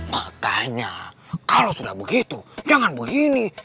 makanya kalau sudah begitu jangan begini